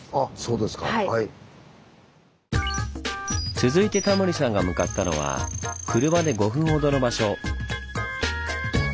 続いてタモリさんが向かったのは車で５分ほどの場所。